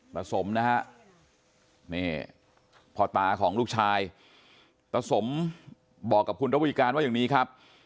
ประสมนะครับพอตาของลูกชายประสมบอกกับคุณระวิการว่าอย่างนี้ครับ